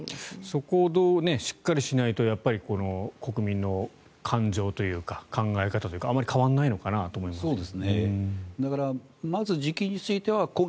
そこをしっかりしないと国民の感情というか考え方というかあまり変わらないのかなと思いますけれど。